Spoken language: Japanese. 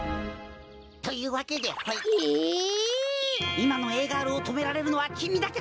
いまのＡガールをとめられるのはきみだけだ！